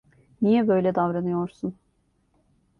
Niye böyle davranıyorsun?